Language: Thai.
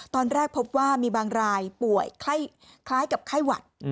ตอนแรกพบว่ามีบางรายป่วยคล้ายกับไข้หวัด